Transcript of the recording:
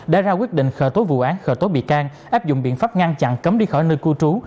đã ra quyết định khởi tố vụ án khởi tố bị can áp dụng biện pháp ngăn chặn cấm đi khỏi nơi cư trú